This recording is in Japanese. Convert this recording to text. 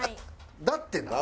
だってな。